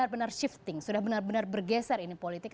benar benar shifting sudah benar benar bergeser ini politik